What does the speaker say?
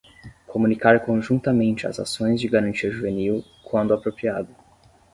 Comunicar conjuntamente as ações de garantia juvenil, quando apropriado.